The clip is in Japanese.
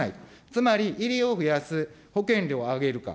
つまり入りを増やす、保険料を上げるか。